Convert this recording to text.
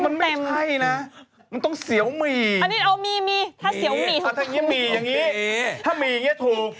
มันไม่ใช่นะมันต้องเสียวหมี่อันนี้เอามีถ้าเสียวหมี่ถูก